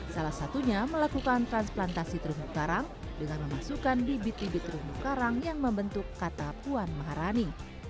salah satunya melakukan transplantasi terumbu karang dengan memasukkan bibit bibit terumbu karang yang membentuk kata puan maharani